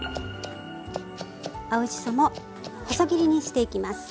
青じそも細切りにしていきます。